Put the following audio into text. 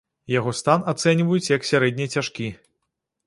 Яго стан ацэньваюць як сярэдне цяжкі.